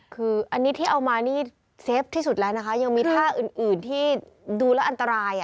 คืออันนี้ที่เอามานี่เซฟที่สุดแล้วนะคะยังมีท่าอื่นที่ดูแล้วอันตราย